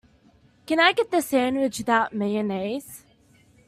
Can I get the sandwich without mayonnaise?